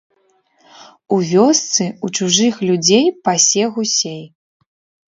У вёсцы, у чужых людзей пасе гусей.